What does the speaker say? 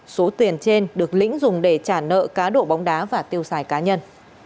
số tiền trên được lĩnh dùng để trả nợ cá độ bóng đá và tiêu xài cá nhân